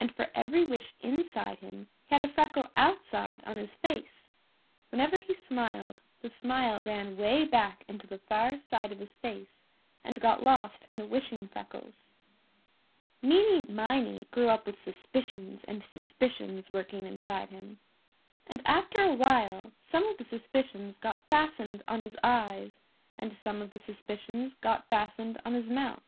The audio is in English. And for every wish inside him he had a freckle outside on his face. Whenever he smiled the smile ran way back into the far side of his face and got lost in the wishing freckles. Meeny Miney grew up with suspicions and suspicions working inside him. And after a while some of the suspicions got fastened on his eyes and some of the suspicions got fastened on his mouth.